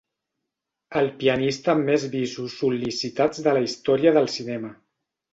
El pianista amb més bisos sol·licitats de la història del cinema.